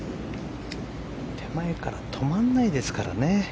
手前から止まらないですからね。